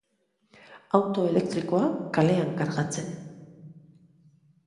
Auto elektrikoa, kalean kargatzen.